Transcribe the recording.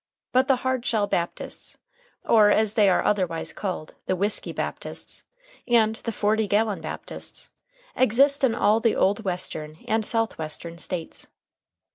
But the "Hardshell Baptists," or, as they are otherwise called, the "Whisky Baptists," and the "Forty gallon Baptists," exist in all the old Western and South western States.